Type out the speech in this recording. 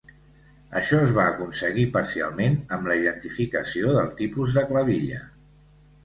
Això es va aconseguir parcialment amb la identificació del tipus de clavilla.